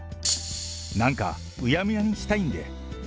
なんかうやむやにしたいんで。